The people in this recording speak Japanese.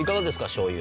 しょうゆ。